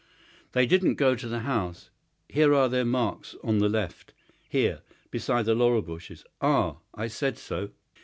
"They didn't go to the house. Here are their marks on the left—here, beside the laurel bushes! Ah, I said so!"